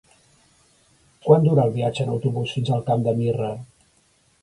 Quant dura el viatge en autobús fins al Camp de Mirra?